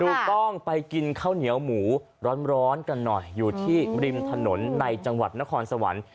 ถูกต้องไปกินข้าวเหนียวหมูร้อนกันหน่อยอยู่ที่ริมถนนในจังหวัดนครสวรรค์